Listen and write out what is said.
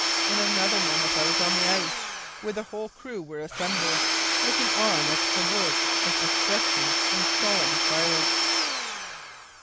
In another moment I was on the ice, where the whole crew were assembled, looking on at the work of destruction in solemn silence.